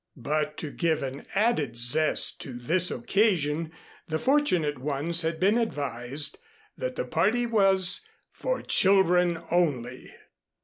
But to give an added zest to this occasion the fortunate ones had been advised that the party was "for children only."